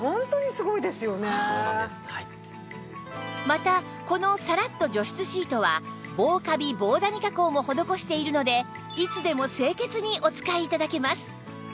またこのサラッと除湿シートは防カビ・防ダニ加工も施しているのでいつでも清潔にお使い頂けます